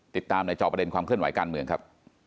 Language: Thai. ติดตามในจอประเด็นความเคลื่อนไหวการเมืองครับ